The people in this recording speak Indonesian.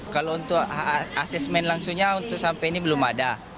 kalau untuk asesmen langsungnya untuk sampai ini belum ada